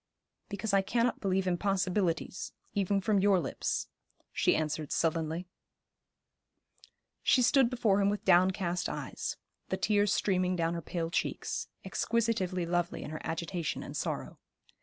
'Because I cannot believe impossibilities, even from your lips,' she answered sullenly. She stood before him with downcast eyes, the tears streaming down her pale cheeks, exquisitively lovely in her agitation and sorrow.